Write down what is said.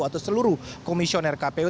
atau seluruh komisioner kpu